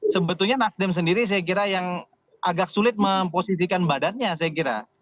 sebetulnya nasdem sendiri saya kira yang agak sulit memposisikan badannya saya kira